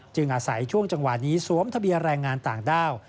อาศัยช่วงจังหวะนี้สวมทะเบียนแรงงานต่างด้าว